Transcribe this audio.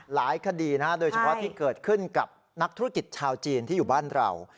หลายคดีโดยเฉพาะที่เกิดขึ้นกับนักธุรกิจชาวจีนที่อยู่บ้านเรา